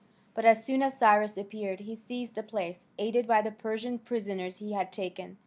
But as soon as Cyrus appeared he seized the place, aided by the Persian prisoners he had taken.